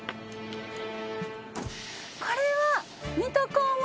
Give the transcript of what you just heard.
これは。